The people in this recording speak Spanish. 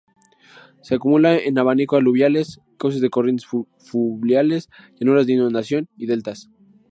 Se acumula en abanicos aluviales, cauces de corrientes fluviales, llanuras de inundación y deltas.